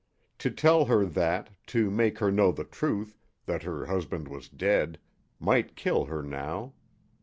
To tell her that, to make her know the truth that her husband was dead might kill her now.